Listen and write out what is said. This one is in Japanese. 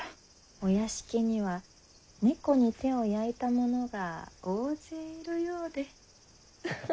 お屋敷には猫に手を焼いたものが大勢いるようで。